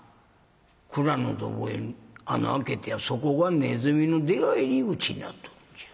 蔵のとこへ穴あけてやそこがねずみの出はいり口になっとるんじゃ。